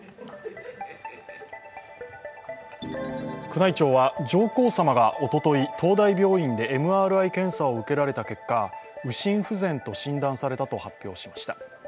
宮内庁は、上皇さまがおととい東大病院でＭＲＩ検査を受けられた結果右心不全と診断されたと発表しました。